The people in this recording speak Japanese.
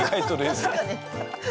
確かに。